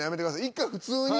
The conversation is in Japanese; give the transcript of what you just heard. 一回普通に。